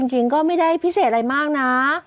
จริงก็ไม่ได้พิเศษอะไรมากนะ